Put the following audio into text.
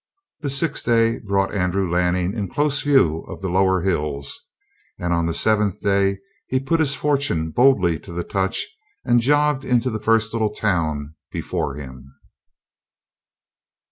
The sixth day brought Andrew Lanning in close view of the lower hills. And on the seventh day he put his fortune boldly to the touch and jogged into the first little town before him.